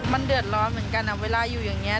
มันเดือดร้อนเหมือนกันเวลาอยู่อย่างนี้